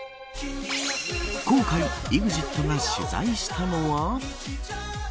今回、ＥＸＩＴが取材したのは。